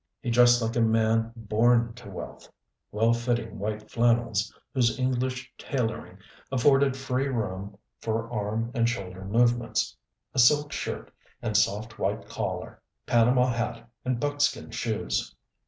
He dressed like a man born to wealth, well fitting white flannels whose English tailoring afforded free room for arm and shoulder movements; a silk shirt and soft white collar, panama hat and buckskin shoes.